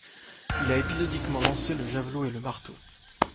Il a épisodiquement lancé le javelot et le marteau.